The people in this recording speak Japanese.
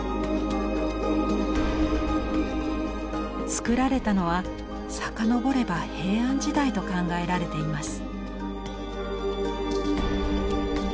つくられたのは遡れば平安時代と考えられています。